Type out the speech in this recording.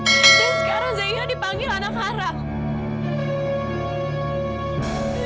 dan sekarang zaira dipanggil anak haram